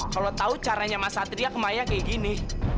kalau tahu caranya mas satria ke maya kayak gini